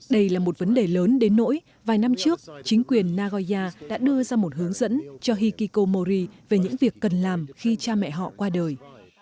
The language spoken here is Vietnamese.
đây là một vấn đề lớn đến nỗi vài năm trước chính quyền nagoya đã đưa ra một hướng dẫn cho hikikomori về những việc cần làm khi cha mẹ họ qua đời